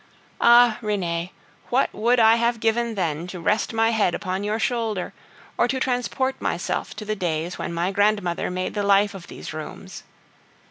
Ah! Renee, what would I have given then to rest my head upon your shoulder, or to transport myself to the days when my grandmother made the life of these rooms?